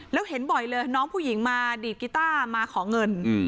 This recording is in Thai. แล้วเห็นบ่อยเลยน้องผู้หญิงมาดีดกีต้ามาขอเงิน